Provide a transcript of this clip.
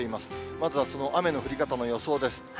まずはその雨の降り方の予想です。